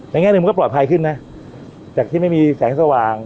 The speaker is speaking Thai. แง่หนึ่งมันก็ปลอดภัยขึ้นนะจากที่ไม่มีแสงสว่าง